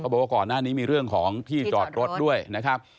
บอกว่าก่อนหน้านี้มีเรื่องของที่จอดรถด้วยนะครับ